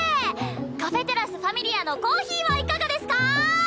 カフェテラス「Ｆａｍｉｌｉａ」のコーヒーはいかがですか？